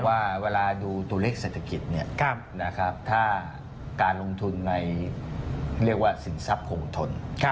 ว่าเวลาดูตัวเลขเศรษฐกิจถ้าการลงทุนในเรียกว่าสินทรัพย์คงทน